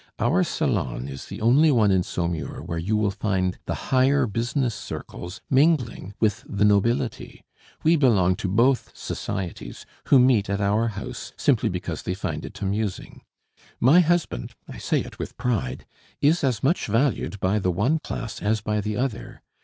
Our salon is the only one in Saumur where you will find the higher business circles mingling with the nobility. We belong to both societies, who meet at our house simply because they find it amusing. My husband I say it with pride is as much valued by the one class as by the other.